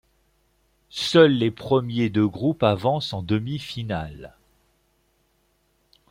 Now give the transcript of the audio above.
Seuls les premiers de groupe avancent en demi-finales.